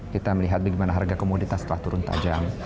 kita melihat bagaimana harga komoditas telah turun tajam